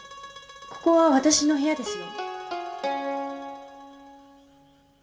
ここは私の部屋ですよ。